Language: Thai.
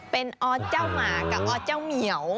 เป็นออสเจ้าหมากับออสเจ้าเหมียว